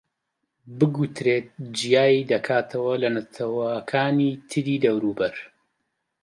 بگوترێت جیای دەکاتەوە لە نەتەوەکانی تری دەوروبەر